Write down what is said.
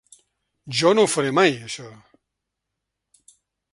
Jo no ho faré mai, això.